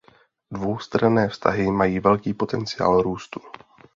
Dvoustranné vztahy mají velký potenciál růstu.